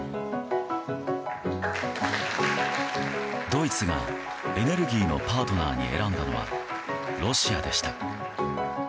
ドイツがエネルギーのパートナーに選んだのはロシアでした。